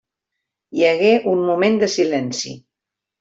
Hi hagué un moment de silenci.